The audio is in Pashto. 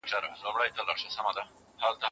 دیني علم د زړه مړاوی توب له منځه وړي.